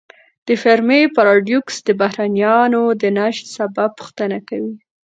د فرمی پاراډوکس د بهرنیانو د نشت سبب پوښتنه کوي.